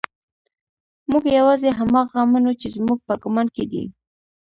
موږ يوازې هماغه منو چې زموږ په ګمان کې دي.